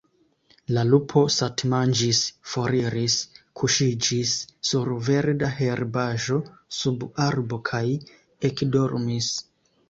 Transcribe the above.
La lupo satmanĝis, foriris, kuŝiĝis sur verda herbaĵo sub arbo kaj ekdormis.